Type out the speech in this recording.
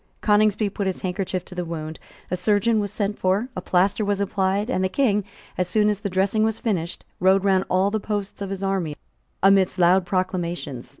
Coningsby put his handkerchief to the wound: a surgeon was sent for: a plaster was applied; and the King, as soon as the dressing was finished, rode round all the posts of his army amidst loud acclamations.